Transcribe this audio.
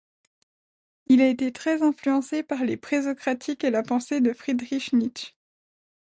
Il a été très influencé par les présocratiques et la pensée de Friedrich Nietzsche.